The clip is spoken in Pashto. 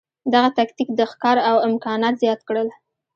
دغه تکتیک د ښکار امکانات زیات کړل.